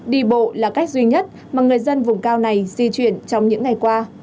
đi bộ là cách duy nhất mà người dân vùng cao này di chuyển trong những ngày qua